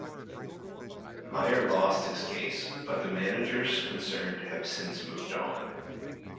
Mayer lost his case, but the managers concerned have since moved on.